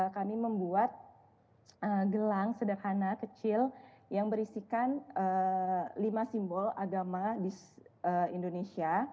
kami membuat gelang sederhana kecil yang berisikan lima simbol agama di indonesia